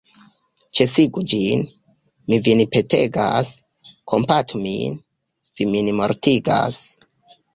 Ĉesigu ĝin, mi vin petegas; kompatu min; vi min mortigas.